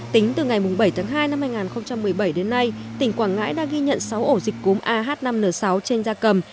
tính từ ngày bảy tháng hai năm hai nghìn một mươi bảy đến nay tỉnh quảng ngãi đã ghi nhận sáu ổ dịch cúm ah năm n sáu trên da cầm